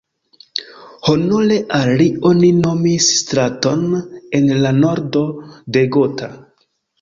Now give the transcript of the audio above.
Honore al li oni nomis straton en la nordo de Gotha.